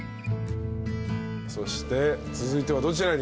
そして続いてはどちらに？